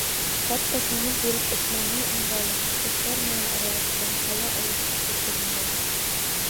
Хатта күңел биреп эшләне унда ла, кешеләр менән аралашты, һауа алыштырҙы, тигәндәй.